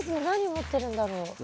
何持ってるんだろう？